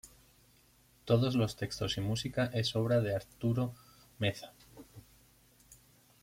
Todos los textos y música es obra de Arturo Meza.